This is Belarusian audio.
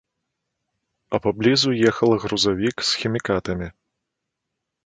А паблізу ехала грузавік з хімікатамі.